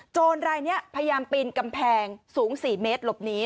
รายนี้พยายามปีนกำแพงสูง๔เมตรหลบหนี